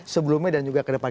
sebelumnya dan juga kedepan